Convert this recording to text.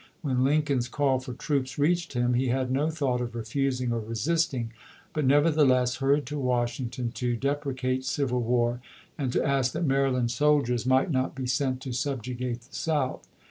When Lincoln's call for troops reached him, he had no thought of refusing or resisting, but never tllCKS lO ApU7?i86i. theless hurried to Washington to deprecate civil series^ii., war, and to ask that Maryland soldiers might not ^loi.^ibl!^' be sent to subjugate the South.